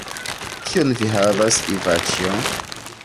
Kion vi havas Ivaĉjo?